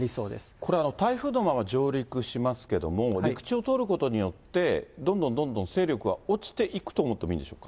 これ、台風のまま上陸しますけども、陸地を通ることによって、どんどんどんどん勢力は落ちていくと思ってもいいんでしょうか。